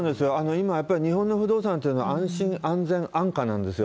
今、やっぱり日本の不動産というのは安心・安全・安価なんですよ。